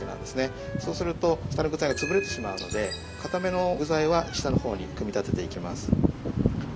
そうすると下の具材が潰れてしまうのでかための具材は下の方に組み立てていきます。